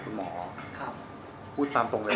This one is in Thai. เมื่อกี๊น้องที่กำลังลงบุิทย์